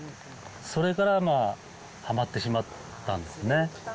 それからはまってしまったんですね。